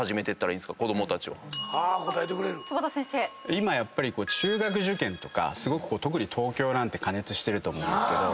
今やっぱり中学受験とか特に東京なんて過熱してると思うんですけど